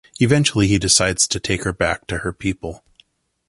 Eventually, he decides to take her back to her people.